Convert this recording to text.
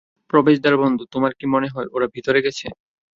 প্রবেশদ্বার বন্ধ, তোমার কি মনে হয় ওরা ভেতরে গেছে?